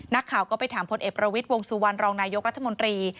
นักข่าวก็ไปถามพลเอกประวิทย์วงสุวรรณรองนายกรัฐมนตรี